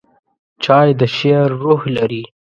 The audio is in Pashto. چای د شعر روح لري.